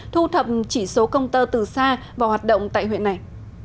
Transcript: thu thập chỉ số công tơ từ xa vào hoạt động tại huyện này